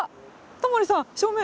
タモリさん正面。